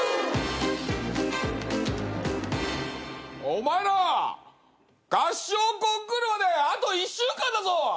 お前ら！合唱コンクールまであと１週間だぞ！